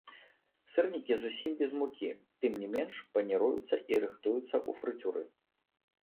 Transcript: Сырнікі зусім без мукі, тым не менш, паніруюцца і рыхтуюцца ў фрыцюры.